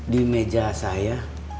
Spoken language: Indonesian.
di meja saya